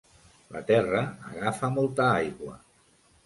La terra agafa molta aigua.